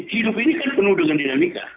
hidup ini kan penuh dengan dinamika